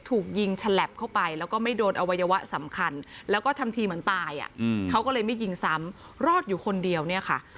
ถูกยิงฉลับเข้าไปแล้วก็ไม่โดนอวัยวะสำคัญแล้วก็ทำทีเหมือนตายอ่ะเขาก็เลยไม่ยิงซ้ำรอดอยู่คนเดียวเนี่ยค่ะ